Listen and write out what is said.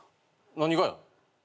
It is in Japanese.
何がや。